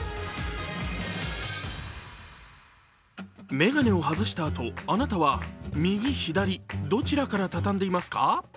眼鏡を外したあと、あなたは右左、どちらから畳んでいますか？